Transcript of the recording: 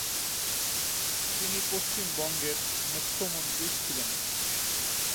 তিনি পশ্চিমবঙ্গের মুখ্যমন্ত্রী ছিলেন।